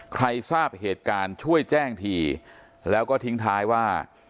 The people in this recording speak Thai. ใครทราบเหตุการณ์ช่วยแจ้งทีแล้วก็ทิ้งท้ายว่า